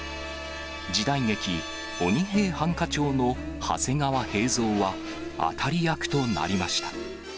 時代劇、鬼平犯科帳の長谷川平蔵は、当たり役となりました。